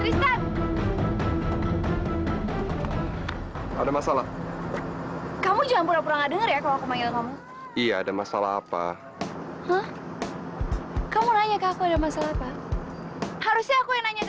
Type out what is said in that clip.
sampai jumpa di video selanjutnya